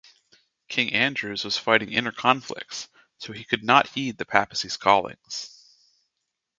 King Andrews was fighting inner conflicts, so he could not heed the Papacy's callings.